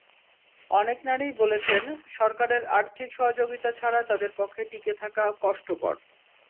অনেক নারীই বলেছেন, সরকারের আর্থিক সহযোগিতা ছাড়া তাঁদের পক্ষে টিকে থাকা কষ্টকর।